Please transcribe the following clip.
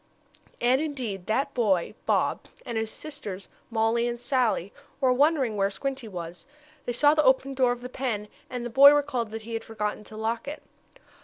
And indeed that boy, Bob, and his sisters Mollie and Sallie, were wondering where Squinty was. They saw the open door of the pen, and the boy recalled that he had forgotten to lock it.